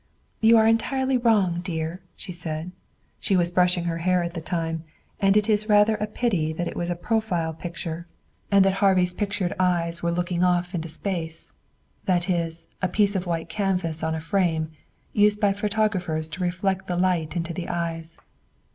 "You are entirely wrong, dear," she said. She was brushing her hair at the time, and it is rather a pity that it was a profile picture and that Harvey's pictured eyes were looking off into space that is, a piece of white canvas on a frame, used by photographers to reflect the light into the eyes.